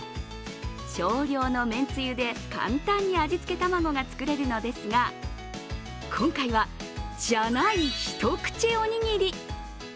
少量のめんつゆで簡単に味付け卵が作れるのですが今回は、じゃない一口おにぎり。